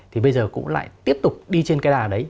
thì bây giờ cũng lại tiếp tục đi trên cái đà đấy